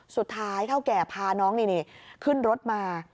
สุดท้ายเท่าแก่พาน้องนี่ขึ้นรถมา